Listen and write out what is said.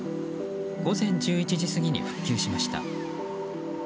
午前１１時過ぎに復旧しました。